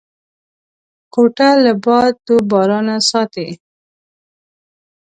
کوټه له باد و بارانه ساتي.